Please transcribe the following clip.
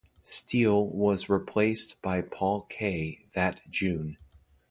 Steele was replaced by Paul Kaye that June.